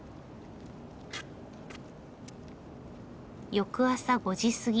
翌朝５時過ぎ。